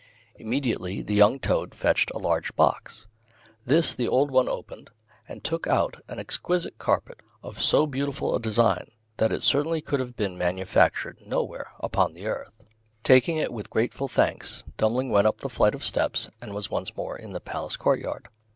Immediately the young toad fetched a large box. This the old one opened, and took out an exquisite carpet, of so beautiful a design, that it certainly could have been manufactured nowhere upon the earth. Taking it with grateful thanks, Dummling went up the flight of steps, and was once more in the Palace courtyard.